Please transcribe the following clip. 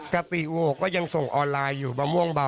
กะปิโอก็ยังส่งออนไลน์อยู่มะม่วงเบา